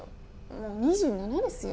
もう２７ですよ？